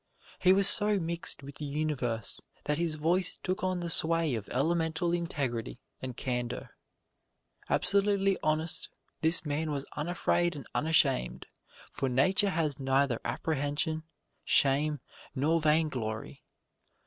He was so mixed with the universe that his voice took on the sway of elemental integrity and candor. Absolutely honest, this man was unafraid and unashamed, for Nature has neither apprehension, shame nor vainglory.